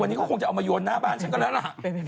วันนี้เขาคงจะเอามาโยนหน้าบ้านฉันก็แล้วล่ะ